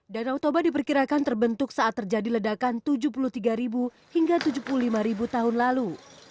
danau toba diperkirakan terbentuk saat terjadi ledakan tujuh puluh tiga hingga tujuh puluh lima tahun lalu